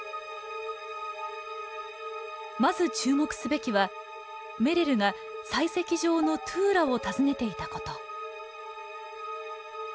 まず注目すべきはメレルが採石場のトゥーラを訪ねていたこと。